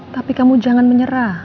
tapi kamu jangan menyerah